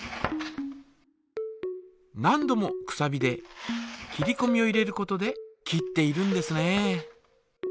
何度もくさびで切りこみを入れることで切っているんですね。